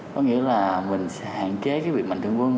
có nghĩa là mình sẽ hạn chế cái việc mạnh thường quân